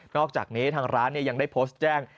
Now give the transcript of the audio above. อกจากนี้ทางร้านยังได้โพสต์แจ้ง